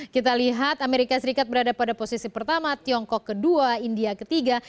kita lihat amerika serikat berada pada posisi pertama tiongkok kedua india ketiga